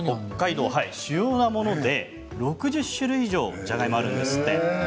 主要なもので北海道６０種類以上じゃがいもがあるんですって。